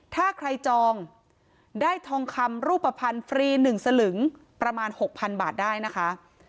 ถ้าใครจองได้ทองคำรูปภัณฑ์ฟรี๑สลึงประมาณ๖๐๐๐บาทได้นะคะ